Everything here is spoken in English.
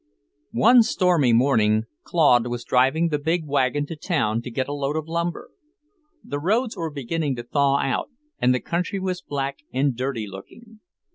VII One stormy morning Claude was driving the big wagon to town to get a load of lumber. The roads were beginning to thaw out, and the country was black and dirty looking.